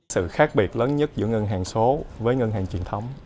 sự khác biệt lớn nhất giữa ngân hàng số với ngân hàng truyền thống